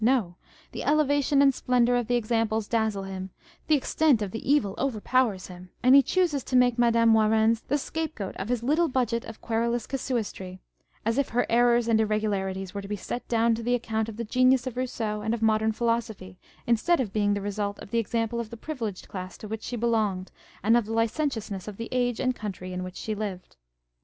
519 No : the elevation and splendour of the examples dazzle him ; the extent of the evil overpowers him ; and he chooses to make Madame Warens the scapegoat of his little budget of querulous casuistry, as if her errors and irregularities were to be set down to the account of the genius of Rousseau and of modern philosophy, instead of being the result of the example of the privileged class to which she belonged, and of the licentiousness of the age and country in which she lived.